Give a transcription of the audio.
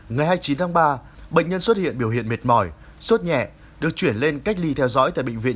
ngày hai mươi chín tháng ba bệnh nhân xuất hiện biểu hiện mệt mỏi suốt nhẹ được chuyển lên cách ly theo dõi tại bệnh viện